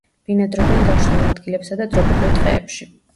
ბინადრობენ გაშლილ ადგილებსა და ტროპიკულ ტყეებში.